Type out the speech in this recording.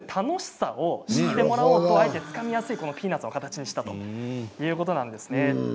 これはつかむ楽しさを知ってもらおうとあえてつかみやすいピーナツの形にしたということなんですね。